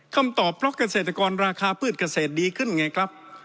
คำตอบเพราะเกษตรกรราคาพืชเกษตรดีขึ้นไงครับ